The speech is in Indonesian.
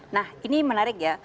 nah ini menarik ya